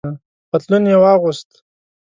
پتلون یې واغوست.